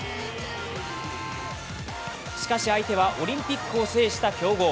しかし相手はオリンピックを制した強豪。